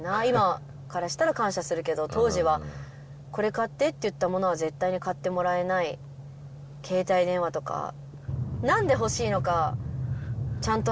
今からしたら感謝するけど当時は「これ買って」って言ったものは絶対に買ってもらえない携帯電話とか。